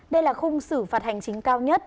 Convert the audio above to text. đây là khung xử phạt hành chính cao nhất